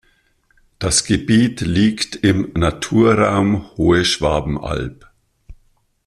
Das Gebiet liegt im Naturraum Hohe Schwabenalb.